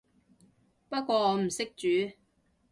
不過我唔識煮